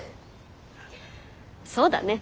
そうだね。